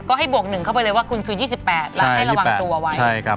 ก็ให้บวกหนึ่งเข้าไปเลยว่าคุณคือยี่สิบแปดใช่ละให้ระวังตัวไว้ใช่ครับอ๋อ